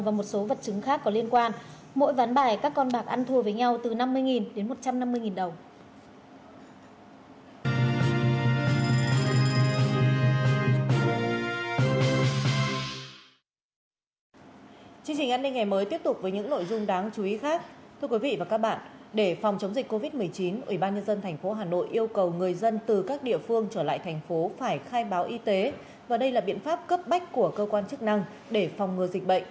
và một số vật chứng khác có liên quan mỗi ván bài các con bạc ăn thua với nhau từ năm mươi đến một trăm năm mươi đồng